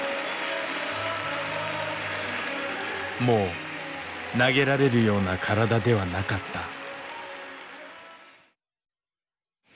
もう投げられるような体ではなかった。